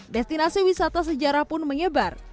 destinasi wisata sejarah pun menyebar